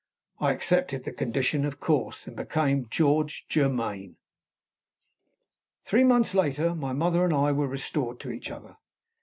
I accepted the condition, of course, and became George Germaine. Three months later, my mother and I were restored to each other.